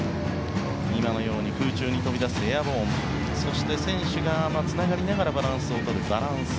空中に飛び出すエアボーンそして、選手がつながりながらバランスをとるバランス。